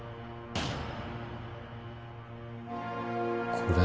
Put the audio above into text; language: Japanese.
これ。